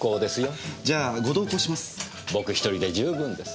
僕１人で十分です。